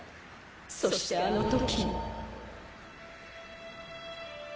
そしてあの時も。